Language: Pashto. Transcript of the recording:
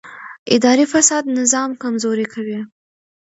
اداري فساد نظام کمزوری کوي